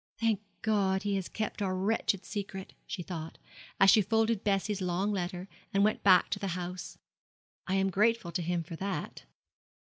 'Thank God, he has kept our wretched secret,' she thought, as she folded Bessie's long letter, and went back to the house. 'I am grateful to him for that.'